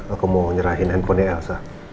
aku mau nyerahin handphonenya elsa